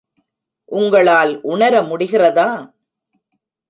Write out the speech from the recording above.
உங்களால் உணர முடிகிறதா?